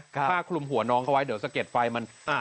ผ้าคลุมหัวน้องเขาไว้เดี๋ยวสะเก็ดไฟมัน